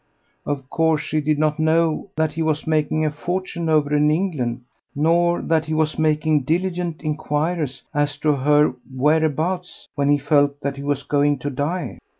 Of course, she did not know that he was making a fortune over in England, nor that he was making diligent inquiries as to her whereabouts when he felt that he was going to die.